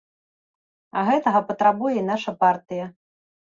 А гэтага патрабуе і наша партыя.